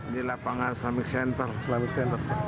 di lapangan islamic center